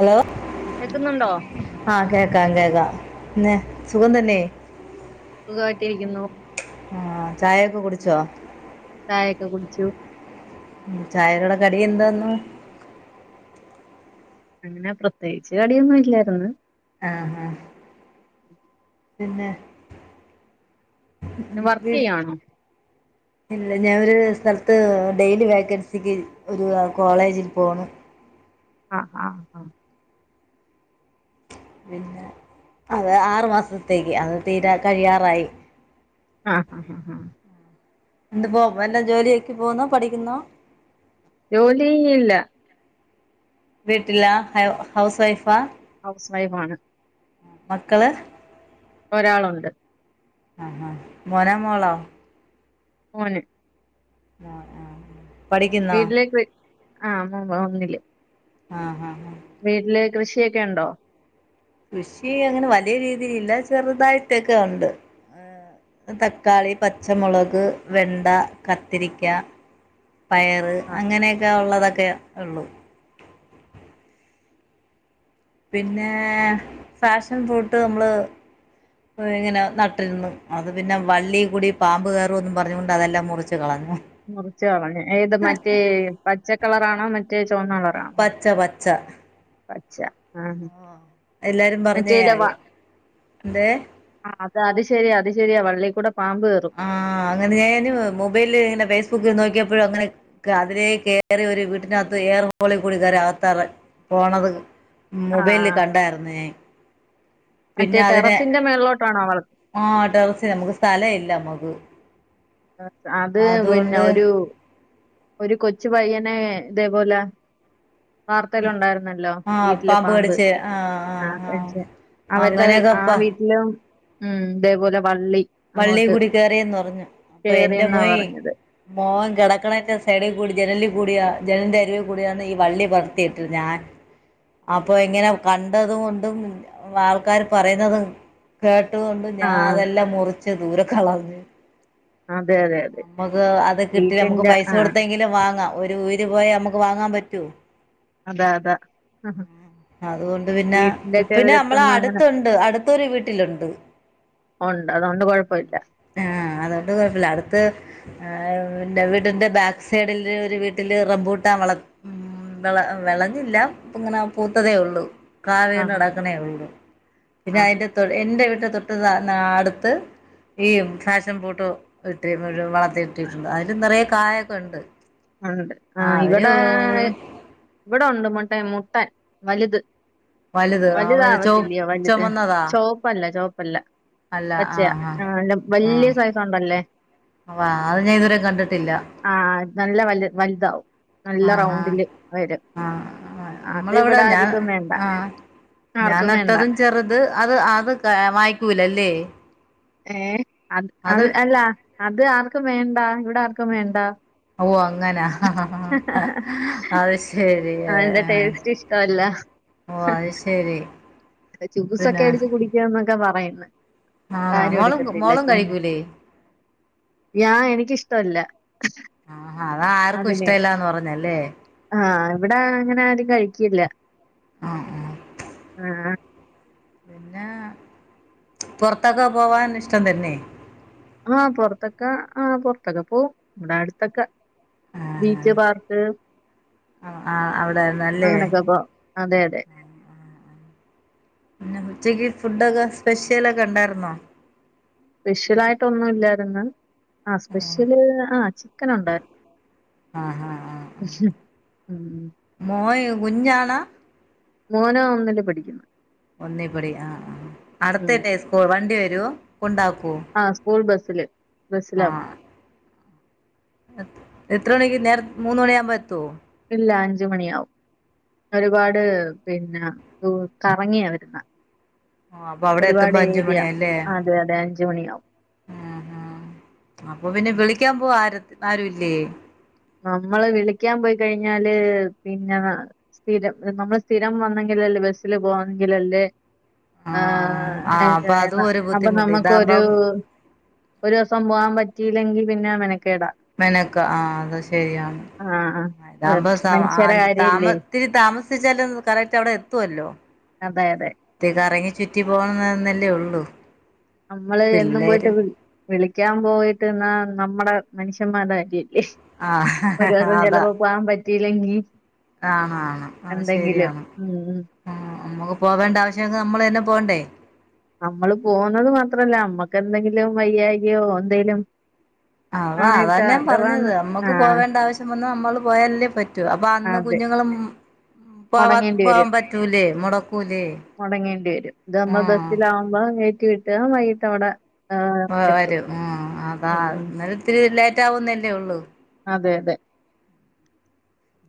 Hello കേക്കുന്നുണ്ടോ ആ... കേക്കാം, കേക്കാം, പിന്നെ, സുഖംതന്നെ സുഖമായിട്ടിരിക്കുന്നു ആ... ചായയൊക്കെ കുടി.. ച്ചോ? ചായയൊക്കെ കുടിച്ചു ചായേടെ കൂടെ കടിയെന്താന്ന് അങ്ങനെ പ്രത്യേകിച്ചു കടിയൊന്നുമില്ലാരുന്നു. ആ... ഹ പിന്നെ വീ വർക്കുചെയ്യുവാണോ ഇല്ല ഞാനൊരു സ്ഥലത്ത് ഡെയ്ലി വേക്കൻസിക്ക് ഒരു കോളേജി പോണ് ആഹ് ആഹ് ആഹ് പിന്നെ അത് ആറു മാസത്തേക്ക് അത് തീരാ കഴിയാറായി ആഹ് ഹാ ഹാ എന്തു പോ വല്ല ജോലിക്കു പോകുന്നോ പഠിക്കുന്നോ? ജോലി ഇല്ല വീട്ടിലാ ഹൗ ഹൗസ് വൈഫാ ഹൗസ് വൈഫാണ് മക്കള് ഒരാളുണ്ട് ആ ആ മോനാ മോളോ മോന് ആ ആ ആ പഠിക്കുന്നോ വീട്ടിലേക്ക് ആഹ് അവൻ ഒന്നില് ആഹ് ആഹ് ആഹ് വീട്ടില് കൃഷിയൊക്കെ ഉണ്ടോ കൃഷി അങ്ങനെ വലിയ രീതിയിലില്ല ചെറുതായിട്ടൊക്കെ ഉണ്ട് തക്കാളി പച്ചമുളക് വെണ്ട കത്തിരിക്ക പയറ് ആഹ് അങ്ങനെയൊക്കെ ഉള്ളതൊക്കെ ഉള്ളു പിന്നെ ഫാഷൻ ഫ്രൂട്ട് നമ്മള് ഇങ്ങനെ നട്ടിരുന്നു അത് പിന്നെ വള്ളിയിൽ കൂടി പാമ്പ് കയറുമെന്ന് പറഞ്ഞുകൊണ്ട് അതെല്ലാം മുറിച്ച് കളഞ്ഞു മുറിച്ച് കളഞ്ഞു ഏത് മറ്റേ പച്ചക്കളറാണോ മറ്റേ ചുവന്ന കളറാണോ പച്ച പച്ച പച്ച ആഹ് എല്ലാരും പറഞ്ഞ മറ്റേല്ല വ കാര്യം എന്തേ ആഹ് അത് ശരിയാ അത് ശരിയാ വള്ളിയിൽ കൂടെ പാമ്പ് കേറും ആ അങ്ങനെ ഞാന് മൊബൈല് ഇങ്ങനെ ഫേസ്ബുക്ക് നോക്കിയ പ്പൊ അങ്ങനെ അതിലേ കയറി ഒരു വീട്ടിനകത്ത് ഏയർ ഹോളിൽകൂടി അകത്തിറങ്ങി പോണത് മൊബലില് ആഹ് കണ്ടായിരുന്നു ഞാൻ മറ്റേ പിന്നെ അതിനെ ടെറസിന്റെ മേളിലോട്ടാണോ വളർത്തുന്നത് ആ ടെറസിൽ നമുക്ക് സ്ഥലം ഇല്ല നമ്മക്ക് അത് പിന്നെ ഒരു ഒരു കൊച്ചു പയ്യനെ ഇതേപോലെ വാർത്തയിലുണ്ടായിരുന്നല്ലോ ആഹ് വീട്ടില് പാമ്പ് കടിച്ച് ആഹ് ആ ആഹ് ആഹ് കട്ച്ചെ അവര്ടെ വീ ആ അങ്ങനെയൊക്കെപ്പ വീട്ടിലും ഉം ഇതേപോലെ വള്ളി വള്ളീ അങ്ങോട്ട് കൂടി കേറിയെന്ന് പറഞ്ഞു അപ്പൊ എന്റെ കേറിയെന്നാ മോയ് പറഞ്ഞത് മോൻ കെടക്ക്ണയ്ന്റെ സൈഡി കൂടി ജ നലിൽ കൂടിയി ജനലിന്റെ അരികെ കൂടിയാണ് ഈ വള്ളി പടർത്തിയിട്ടിര് ഞാൻ അപ്പൊ ഇങ്ങനെ കണ്ടതു കൊണ്ടും ആൾക്കാര് പറയുന്നതും കേ ട്ടു കൊണ്ടും ആ ഞാൻ അതെല്ലാം മുറിച്ച് ദൂരെ കളഞ് അതെ അതെ അതെ നമുക്ക് അത് കിട്ടി നമുക്ക് വീട്ടിന്റെ പൈസ ആ കൊടുത്തെങ്കിലും വാങ്ങാം. ഒരു ഉയിര് പോയാ നമുക്ക് വാങ്ങാൻ പറ്റോ അതാ അതാ ഇഹ് അതുകൊണ്ട് പിന്നെ പിന്നെ നമ്മളെ അങ്ങനെ അടുത്തുണ്ട് അടുത്തൊരു വീട്ടിലുണ്ട്. ഒണ്ടാ ഉം ആഹ് അതോണ്ട് കൊഴപ്പല്ല അടുത്ത് ഏ വീടിന്റെ ബാക്ക് സൈഡില് ഒരു വീട്ടില് റംമ്പൂട്ടാൻ വള വെള വെളഞ്ഞില്ല ഇപ്പങ്ങനെ പൂത്തതേ ഒള്ളൂ കാ വീണ് ആഹാ കെടക്ക്ണേ ഉള്ളൂ പിന്നെ ആഹാ അയിന്റെ തൊ എന്റെ വീട്ട് തൊട്ട് നാ അടുത്ത് ഈ ഫാഷൻ ഫ്രൂട്ട് ഇട്ട് വള ത്തി ഇട്ടിട്ടുണ്ട് അതില് നെറയെ കായ ഒക്കെ ഉണ്ട്. ആണ് ഉണ്ട് ആഹ് ഇവടെ ഇവടെ ഒണ്ട് മറ്റേ മുട്ടൻ വല്ത് ആ വലുത് വലു ചോ ആവത്തില്ലയോ വലുത് ചുമന്നതാ ചുവപ്പല്ല ചോപ്പ് അല്ല ആഹ് ആ വലിയ സൈസ് ഉണ്ടല്ലേ ആ അ അത് ഞാൻ ഇതുവരെ കണ്ടിട്ടില്ല ആഹ് നല്ല വലു വലുതാവും നല്ല റൗണ്ടില് വരും ആ ആ അത് നമ്മളവിടെ ഇവിടെ ഞാൻ ആരിക്കും വേണ്ട ആ ഞാൻ ആർക്കും വേണ്ട നട്ടതും ചെറുത് അത് അത് വായിക്കൂലല്ലേ? ഏ അത് അത് അല്ല അത് ആർക്കും വേണ്ട ഇവിടെ ആർക്കും വേണ്ട. ഓ അങ്ങനാ അത് ശരി. അതിന്റെ ടേസ്റ്റ് ഇഷ്ടമല്ല ഓ അത് ശെരി. ജ്യൂസൊക്കെ അടിച്ച് കുടിക്കാന്നൊക്കെ പറയുന്ന. ആണോ ആരും മോളും എടുക്കത്തില്ല മോളും ഉം കഴിക്കൂലേ ഞാ എനിക്കിഷ്ടല്ല. ആഹാ അതാ ആർക്കും ഇഷ്ടമല്ലാന്ന് പറഞ്ഞല്ലേ? ആഹ് ഇവിടെ അങ്ങനെ ആരും കഴിക്കില്ല. ആ ആ. ആഹ് പിന്നെ പുറത്തൊക്കെ പോവാൻ ഇഷ്ടം തന്നെ. ആഹ് പുറത്തക്കാ ആ പുറത്തൊക്കെ പോവും ഇവിടെ അടുത്തൊക്കെ. ബീച്ച് പാർക്ക് ആ ആ അവിടെന്നല്ലേ? അങ്ങനൊക്കെ പോവും അതെ അതെ. പിന്നെ ഉച്ചക്ക് ഫുഡൊക്കെ സ്പെഷ്യലൊക്കെ ഉണ്ടായിരുന്നോ? സ്പെഷ്യൽ ആയിട്ടൊന്നും ഇല്ലായിരുന്നു ആ ആഹ് സ്പെഷ്യല് ആ ചിക്കൻ ഉണ്ടായിരുന്നു. ആഹ് ആഹ് ആഹ് ഉം. [unintelligible] മോനോ ഒന്നില് പഠിക്കുന്നു. ഒന്നിപ്പൊടി ആ ആ ഉം അടുത്തന്നെ സ്കൂൾ വണ്ടി വരുവോ? കൊണ്ടാക്കോ ആ സ്കൂൾ ബസ്സില് ആ. ബസ്സിലാ പോണെ. എത്ര മണിക്ക് നേര മൂന്ന് മണിയാവുമ്പോ എത്തുവോ? ഇല്ല അഞ്ച് മണിയാവും. ഒരുപാട് പിന്നെ കറങ്ങിയ വരുന്ന. ആഹ് അപ്പൊ അവിടെ ഒരുപാട് എത്തുമ്പോ അഞ്ച് ഏരിയ മണിയാല്ലേ അതെ അതെ അഞ്ച് മണിയാവും. ഉം ഉം അപ്പൊ പിന്നെ ഉം. വിളിക്കാൻ പോവാ ആര ആരു ഇല്ലേ? നമ്മള് വിളിക്കാൻ പോയി കഴിഞ്ഞാല് പിന്ന സ്ഥിരം നമ്മൾ സ്ഥിരം വന്നെങ്കിലല്ലേ ബസ്സില് പോകണെങ്കിലല്ലേ ആ ആഹ് ആഹ് അപ്പൊ അതും ഒരു അപ്പൊ ബുദ്ധിമുട്ട് ഇതാകുമ്പോ നമുക്കൊരു ഒരു ദിവസം പോകാൻ പറ്റിയില്ലെങ്കിൽ പിന്നെ മെനക്കേടാ. മെനക്ക ആ അത് ശെരിയാണ്. ആ ആ അതാകുമ്പോ സാ മനുഷ്യരെ താമ കാര്യല്ലേ ഇത്തിരി താമസിച്ചാലും കറക്റ്റ് അവിടെ എത്തുവല്ലോ. അതെ. അതെ കറങ്ങി ചുറ്റി പോണന്നല്ലേ ഉള്ളൂ. നമ്മള് എന്നും പിള്ളേര് പോയിട്ട് വിളിക്കാൻ പോയിട്ട് എന്നാ നമ്മുടെ മനുഷ്യന്മാരുടെ കാര്യ ഒരു ആഹ് ദിവസം അതാ ചിലപ്പോ പോകാൻ പറ്റില്ലെങ്കിൽ ആണ് ആണ് അത് ശെരിയാണ്. ഉം ഉം ആ നമ്മുക്ക് പോകേണ്ട ആവശ്യം ഒക്കെ നമ്മൾ തന്നെ പോകണ്ടേ. നമ്മള് പോകുന്നത് മാത്രല്ല നമ്മക്ക് എന്തെങ്കിലും വയ്യായികയോ എന്തേലും അതാ അതാ ആണെച്ചാ ഞാൻ പറഞ്ഞത് അഥവാന്ന് നമ്മുക്ക് ആഹ് പോകേണ്ട ആവശ്യം വന്ന് നമ്മള് പോയല്ലേ പറ്റൂ അപ്പൊ അന്ന് അതെ കുഞ്ഞ ങ്ങളും പോവാ മുടങ്ങേണ്ടി പോവാൻ വരും പറ്റൂലേ മുടക്കൂലേ ആ. ലാകുമ്പോ കയറ്റി വിട്ട് വൈകീട്ട് അവിടെ ആഹ് എത്തും വരും ഉം അതാ ഉം എന്നാലും ഇത്തിരി ലേറ്റ് ആവുന്നല്ലേ ഉള്ളൂ. അതെ അതെ.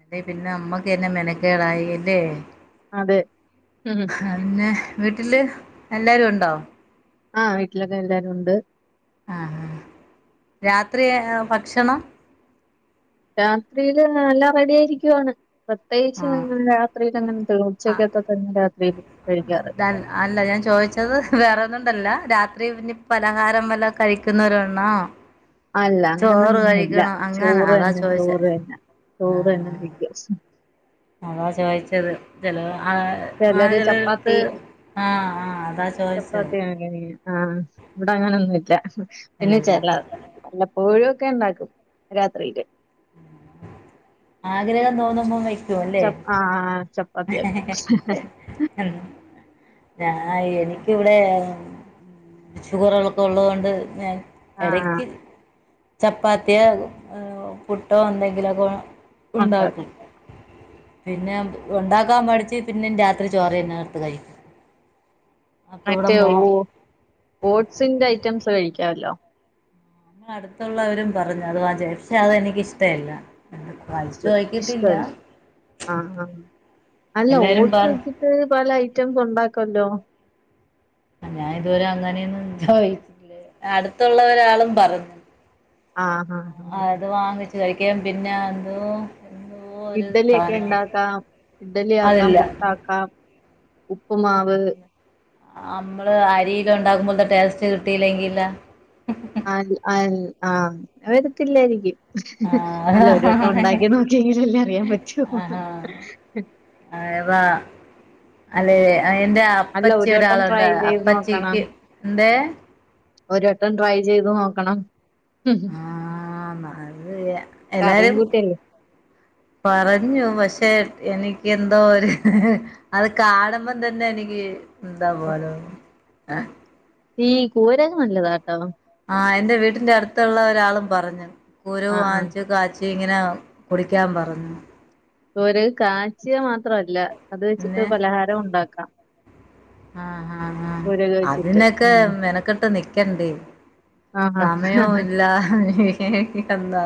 അല്ല പിന്നെ നമ്മക്കന്നെ മെനക്കടായി അല്ലേ? അതെ ഉം. പിന്നെ വീട്ടില് എല്ലാരും ഉണ്ടോ? ആഹ് വീട്ടിലൊക്കെ എല്ലാവാരും ഉണ്ട്. ആ രാത്രി ഭക്ഷണം രാത്രിയില് എല്ലാം റെഡി ആയിരിക്കുവാണ് പ്രത്യേകിച്ച് ആഹ് ഞങ്ങൾ രാത്രിയിൽ അങ്ങനെെയള്ളൂ ഉച്ചയ്ക്കകത്ത തന്നെ രാത്രിൽ അതല്ല അല്ല ഞാൻ ചോദിച്ചത് വേറെ ഒന്നുംണ്ടല്ല രാത്രി രാത്രിയിലെ ഇനി പലഹാരം വല്ല കഴിക്കുന്നവരുണ്ണോ അല്ല അങ്ങനൊന്നുമല്ല അങ്ങനെ ചോറ് അതാ തന്നെ ചോദിച്ചേ ചോറ് തന്നെ ചോറ് ആഹ് തന്നെ വെക്കും അതാ ചോദിച്ചത് ചിലെ ആ ആ ചിലര് ചിലെടുത്ത് ചപ്പാത്തി ആ ആ അതാ ചോദിച്ചത് ആ ഇവിട അങ്ങനൊന്നുംല്ല പിന്നെ ഇല്ല ചി ല്ല വല്ലപ്പോഴും ഒക്കെ ഉണ്ടാക്കും രാത്രിയില് ആഗ്രഹം തോന്നുമ്പോ വയ് ചപ്പ ആ ചപ്പാത്തിയാക്കും ഞാ എനിക്കിവിടെ ഷുഗറുകളൊക്കെ ഉള്ളത്തൂ കൊണ്ട് ഞാൻ ആഹ് ഇടക്ക് ചപ്പാത്തിയോ പുട്ടോ എന്തെങ്കിലുമൊക്കെ ഉണ്ടാക്കും പിന്നെ ഉണ്ടാക്കാൻ മടിച്ച് പിന്നെ രാത്രി ചോറ് തന്നെ എടുത്ത് കഴിക്കും അപ്പൊ ഇവിടെ മറ്റേ മോ ഓ ഓട്സിന്റെ ഐറ്റംസ് കഴിക്കാമല്ലോ ഞമ്മ അടുത്തുള്ളവരും പറഞ്ഞു അത് [unintelligible] എനിക്ക ഇഷ്ടമല്ല ഓട്സ് ഇഷ്ടമല്ല ആ ആ അല്ല എല്ലാരും ഓട്സ് പറഞ്ഞു വെച്ചിട്ട് പല ഐറ്റംസ് ഉണ്ടാക്കല്ലോ ഞാൻഇതുവരെം അങ്ങനെയന്നും ചോയിച്ചില്ലേ അടുത്തുള്ള ഒരാളും പറഞ്ഞ ആ അത് വാങ്ങിച്ചു കഴിക്കാൻ പിന്നെ എന്ത ഇഡ്ഡലിയൊക്കെ ഉണ്ടാക്കാം ഇഡ്ഡലി ആക്കാം അതില്ല പുട്ടാക്കാം ഉപ്പ് മാവ് നമ്മള് അരിയില ഉണ്ടകുമ്പോഴത്തെ ടേസ്റ്റ് കിട്ടില്ലെങ്കില്ല അ ആ [unintelligible] വരത്തില്ലായിരിക്കും ആ അല്ല ഒരു വട്ടം ഉണ്ടാക്കിയ നോക്കിയെങ്കിലല്ലേ അറിയൻ പറ്റോ ആ അല്ലെേ എൻറെ അല്ല അപ്പച്ചി ഒരു വട്ടം ട്രൈ ഒരാളുണ്ട് ചെയ്ത് അപ്പച്ചിക്ക് എന്ത്‌ ഒരട്ടം ട്രൈ ചെയ്ത് നോക്കണം ആന്ന് അത് [unintelligible] കറിയും എല്ലാരും കൂട്ടിയല്ലേ പറഞ്ഞു പക്ഷെ എനിക്ക് എന്തോ ഒരു അത് കാണുമ്പം തന്നെ എനിക്ക് ഓ, ന്തവലൂ ആ ഈ കൂരക്ക നല്ലതാട്ടോ ആ എൻന്റെ വീട്ടിന്റെ അടുത്തുള്ള ഒരാളും പറഞ്ഞു കുരു ആഹ് ആഹ് വാങ്ങിച്ചു കാച്ച ച്ചി ഇങ്ങനെ കുടിക്കാൻ പറഞ്ഞു കുര് കാച്ചിയ മാത്രല്ല അത് വെച്ചിട്ട് പലഹാരം ഉണ്ടാക്കാം ആ ആ ആ കൂരക് വെച്ചിട്ട് അതിനൊക്കെ ഉം മെനക്കെട്ട് നിക്കണ്ടേ ആഹ് ആഹ് സമയവും ഇല്ല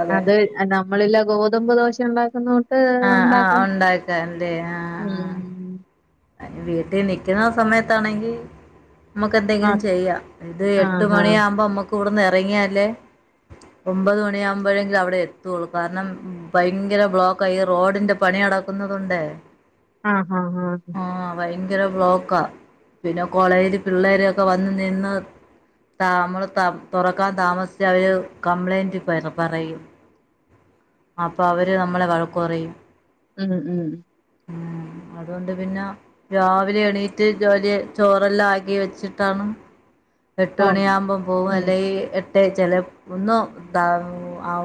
അതെ അത് നമ്മളല്ല ഗോതമ്പ് ദോശ ഉണ്ടാക്കുന്ന ആ ആ ഉണ്ടാക്കാം ഇല്ലേ ആ ആ ഉം. അയ്ന് വീട്ടിൽ നിക്കുന്ന സമയത്താണെങ്കി നമ്മുക്ക് എന്തെങ്കിലും ആഹ് ചെയ്യാം ഇത് എട്ട് ആഹാ മണി ആകുമ്പോ നമ്മക്ക് ഇവിടുന്ന് ഇറങ്ങിയാലെ ഒമ്പത് മണിയാകുമ്പോഴെങ്കിലും അവിടെ എത്തുള്ളൂ കാരണം ഭയങ്കര ബ്ലോക്ക ഈ റോഡിന്റെ പണി നടക്കുന്നതുകൊണ്ടേ ആ ആ ഭയങ്കര ബ്ലോക്കാ പിന്നെ കോളേജില് പിള്ളേരൊക്കെ വന്ന് നിന്ന് ത നമ്മള് ത തുറക്കാൻ താമസിച്ച അവര് കംപ്ലൈന്റ് പറ പറയും. അപ്പൊ അവര് നമ്മളെ വഴക്ക് പറയും. ഉം ഉം [unintelligible] അതുകൊണ്ട് പിന്നെ രാവിലെ എണീറ്റ് ജോലിയ ചോറെല്ലാം ആക്കി വെച്ചിട്ടാണ് എട്ട് ഓഹ് മണിയാകുമ്പം പോകും ഉം അല്ലെങ്കി എ ചില ഒന്നും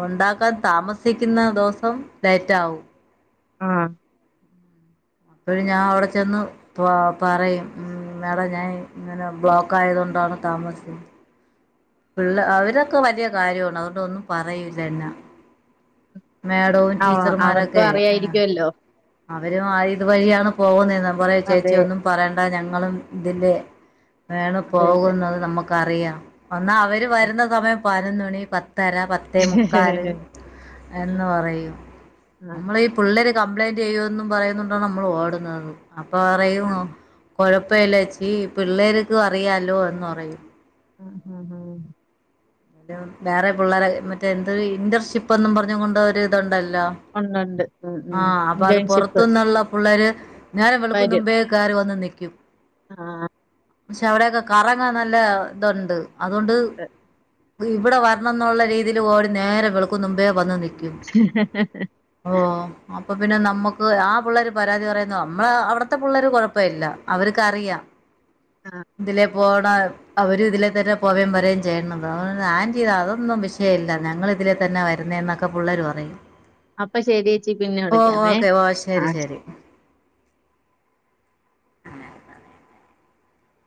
ഉണ്ടാക്കാൻ താമസിക്കുന്ന ദിവസം ലേറ്റാകും. ഉം ആ അപ്പഴ് ഞാൻ അവിടെ ചെന്ന് പ പറയും ഉം. മേഡം ഞാൻ ഇങ്ങനെ ബ്ലോക്ക് ആയത് കൊണ്ടാണ് താമസിച്ചേ. പിള്ള അവരൊക്കെ വലിയ കാര്യമാണ് അതോണ്ടും ഒന്നും പറയുല്ല എന്നെ. മേഡവും അവ അവർക്കും ടീച്ചർമാരൊക്കെ ആ അറിയായിരിക്കുവല്ലോ. അവരും ആ ഇത് വഴിയാണ് പോകുന്നേ പറയും ചേച്ചി അതെ ഒന്നും പറയേണ്ട ഞങ്ങ ങ്ങളും ഇതിലെ വേണം അതെ അതെ. പോകുന്നത് നമുക്ക് അറിയാം. എന്നാ അവര് വരുന്ന സമയം പതിനൊന്നുമണി പ ത്തര പത്തേ മുക്കാല് ആഹ് എന്ന് പറയും ആഹ് നമ്മൾ ഈ പിള്ളേരെ കപ്ലൈന്റ് ചെയ്യുന്നും പറയുന്നകൊണ്ടാണ് നമ്മൾ ഓടുന്നത് അപ്പൊ പറയും ആഹ്. കൊഴ പ്പല്ലേച്ചി പിള്ളേര്ക്കും അറിയാലോ എന്ന് പറയും. ആ ആആ അ വേറെ പിള്ളേരെ മറ്റേ എന്തരു ഇന്റൺഷിപ്പന്നും പറഞ്ഞു കൊണ്ട് ഒര് ഇതുണ്ട ല്ലോ ഒണ്ടൊണ്ട്. ഉം ആ ഉം. അപ്പൊ അത് ഇന്റേൺഷിപ്പ് പൊറത്തന്നുള്ള പുള്ളേര് നേരം വെളുക്കും മുമ്പേ കയറി വന്ന് നിക്കും. ആ പക്ഷെ അവിടെക്കെ കറങ്ങാൻ നല്ല ഇതുണ്ട് അതോണ്ട് ഇവിടെ വരണം എന്നുള്ള രീതിയിൽ ഓടി നേരം വെളുക്കും മുമ്പേ വന്നു നി ക്കും ഓ അ അപ്പൊ പിന്നെ നമ്മുക്ക് ആ പിള്ളേര് പരാതി പറയുന്നു നമ്മളെ അവിടത്തെ പിള്ളേർ കുഴപ്പഇല്ല അവർക്കറിയാ. ആഹ് ഇതിലെ പോണ അവര് ഇതിലെ തന്നെ പോവേം വരേം ചെയ്യണത് അ ആന്റി അതൊന്നും വിഷയില്ല ഞങ്ങള് ഇതിലെ തന്നെ വരുന്നേ എന്നൊക്കെ പുള്ളേര് പറയും. അപ്പൊ ശരിയേച്ചി പിന്നെ ഓ വിളിക്കാമേ. ഓക്കെ ഓ ശെരി ആഹ്. ശെരി. [inaudible]